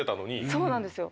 そうなんですよ。